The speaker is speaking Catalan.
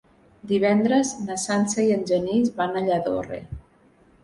Divendres na Sança i en Genís van a Lladorre.